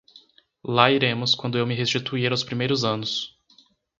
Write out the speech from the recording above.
lá iremos quando eu me restituir aos primeiros anos